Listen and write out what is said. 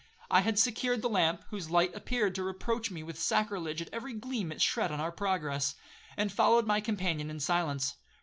I had secured the lamp, (whose light appeared to reproach me with sacrilege at every gleam it shed on our progress), and followed my companion in silence.